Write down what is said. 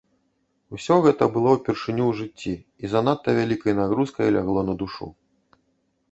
Усё гэта было ўпершыню ў жыцці і занадта вялікай нагрузкай лягло на душу.